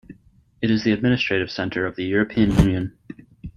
It is the administrative centre of the European Union.